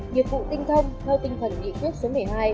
nhiệm vụ tinh thông theo tinh thần nghị quyết số một mươi hai